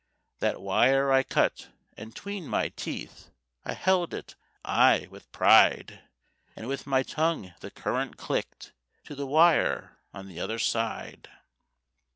That wire I cut, and 'tween my teeth I held it—ay, with pride— And with my tongue the current clicked To the wire on t'other side.